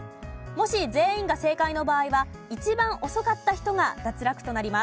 もし全員が正解の場合は一番遅かった人が脱落となります。